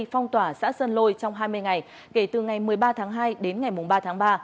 phong tỏa xã sơn lôi trong hai mươi ngày kể từ ngày một mươi ba tháng hai đến ngày ba tháng ba